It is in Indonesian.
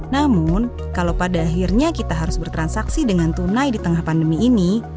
namun kalau pada akhirnya kita harus bertransaksi dengan tunai di tengah pandemi ini